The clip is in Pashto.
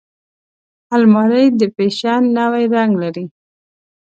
الماري د فیشن نوی رنګ لري